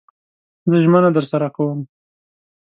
زه ژمنه درسره کوم